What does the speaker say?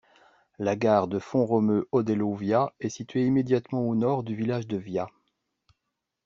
La gare de Font-Romeu-Odeillo-Via est située immédiatement au nord du village de Via.